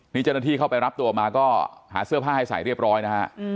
นี่เจ้าหน้าที่เข้าไปรับตัวมาก็หาเสื้อผ้าให้ใส่เรียบร้อยนะฮะ